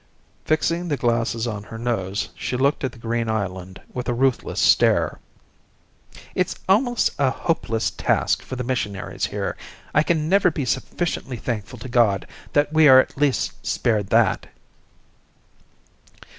Fixing the glasses on her nose she looked at the green island with a ruthless stare. "It's almost a hopeless task for the missionaries here. I can never be sufficiently thankful to God that we are at least spared that."